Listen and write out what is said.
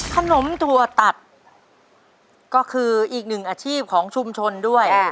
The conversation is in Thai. ถั่วตัดก็คืออีกหนึ่งอาชีพของชุมชนด้วย